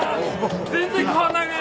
全然変わんないね。